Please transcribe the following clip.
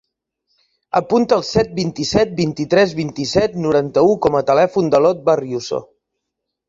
Apunta el set, vint-i-set, vint-i-tres, vint-i-set, noranta-u com a telèfon de l'Ot Barriuso.